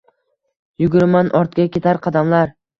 Yuguraman — ortga ketar qadamlar